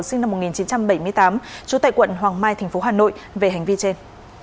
sinh năm một nghìn chín trăm bảy mươi tám trú tại quận hoàng mai tp hà nội về hành vi trên